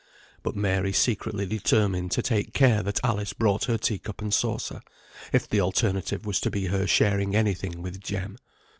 But Mary secretly determined to take care that Alice brought her tea cup and saucer, if the alternative was to be her sharing any thing with Jem.